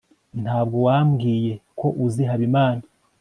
ntabwo wambwiye ko uzi habimana